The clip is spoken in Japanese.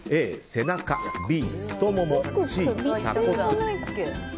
Ａ、背中Ｂ、太ももＣ、鎖骨。